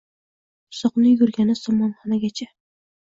Buzoqni yugurgani somonxonagacha!